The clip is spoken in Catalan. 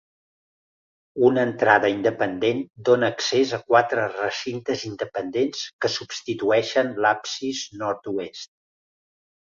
Una entrada independent dóna accés a quatre recintes independents que substitueixen l'absis nord-oest.